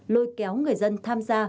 lôi kéo người dân tham gia